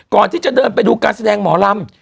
ก่อนที่จะเดินไปดูการแสดงหมอลำ